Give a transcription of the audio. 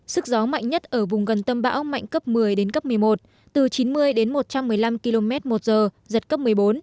sức gió mạnh nhất ở vùng gần tâm bão mạnh cấp một mươi đến cấp một mươi một từ chín mươi đến một trăm một mươi năm km một giờ giật cấp một mươi bốn